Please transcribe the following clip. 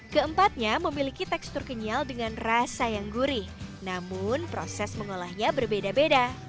keempatnya memiliki tekstur kenyal dengan rasa yang gurih namun proses mengolahnya berbeda beda